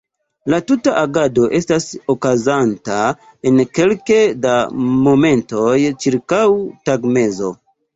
La tuta agado estas okazanta en kelke da momentoj ĉirkaŭ tagmezo.